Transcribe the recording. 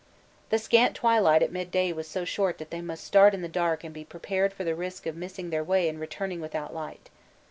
The scant twilight at midday was so short that they must start in the dark and be prepared for the risk of missing their way in returning without light.